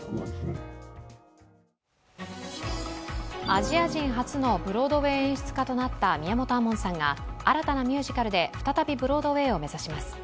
アジア人初のブロードウェイ演出家となった宮本亞門さんが新たなミュージカルで再びブロードウェイを目指します。